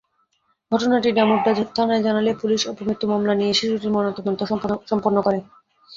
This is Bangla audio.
ঘটনাটি ডামুড্যা থানায় জানালে পুলিশ অপমৃত্যু মামলা নিয়ে শিশুটির ময়নাতদন্ত সম্পন্ন করে।